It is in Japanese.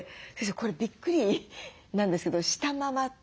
これびっくりなんですけど「したまま」というのは？